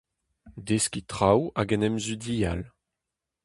Deskiñ traoù hag en em zudial.